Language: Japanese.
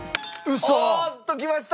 おーっときました！